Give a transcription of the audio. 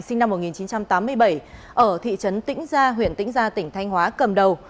sinh năm một nghìn chín trăm tám mươi bảy ở thị trấn tĩnh gia huyện tĩnh gia tỉnh thanh hóa cầm đầu